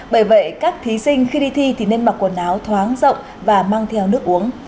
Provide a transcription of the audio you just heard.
bởi vậy các thí sinh khi đi thi thì nên mặc quần áo thoáng rộng và mang theo nước uống